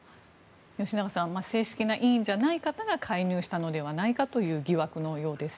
吉永さん正式な委員じゃない方が介入したのではないかという疑惑のようです。